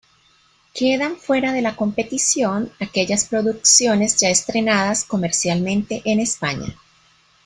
Quedan fuera de la competición aquellas producciones ya estrenadas comercialmente en España.